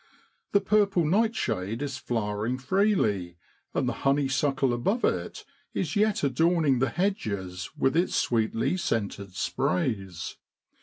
The purple nightshade is flowering SEPTEMBER IN BROADLAND. 89 freely, and the honeysuckle above it is yet adorning the hedges with its sweetly scented sprays.